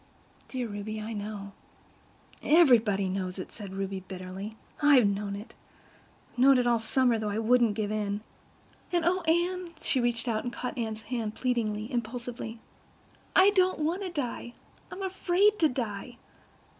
"Dear Ruby, I know." "Everybody knows it," said Ruby bitterly. "I know it—I've known it all summer, though I wouldn't give in. And, oh, Anne"—she reached out and caught Anne's hand pleadingly, impulsively—"I don't want to die. I'm afraid to die."